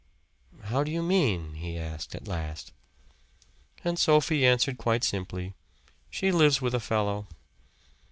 "How do you mean?" he asked at last. And Sophie answered quite simply, "She lives with a fellow."